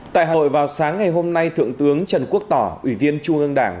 tại hội vào sáng ngày hôm nay thượng tướng trần quốc tỏ ủy viên trung ương đảng